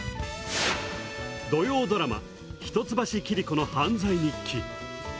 土曜ドラマ「一橋桐子の犯罪日記」。